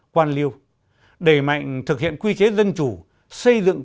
quan liêu đẩy mạnh thực hiện quy chế dân chủ xây dựng